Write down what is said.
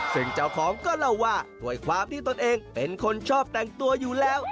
ซึ่งเจ้าของก็เล่าว่าด้วยความที่ตนเองเป็นคนชอบแต่งตัวอยู่แล้ว